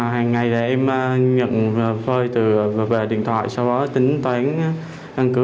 hàng ngày em nhận phơi từ về điện thoại sau đó tính toán căn cứ